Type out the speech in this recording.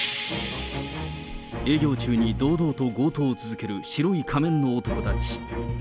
営業中に堂々と強盗を続ける白い仮面の男たち。